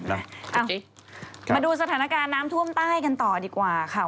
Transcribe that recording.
เอาสิมาดูสถานการณ์น้ำท่วมใต้กันต่อดีกว่าค่ะ